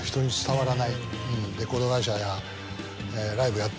レコード会社や。